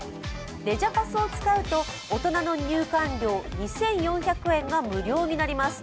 レジャパスを使うと大人の入館料２４００円が無料になります。